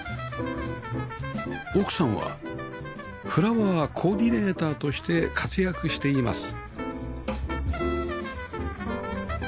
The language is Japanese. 奥さんはフラワーコーディネーターとして活躍しています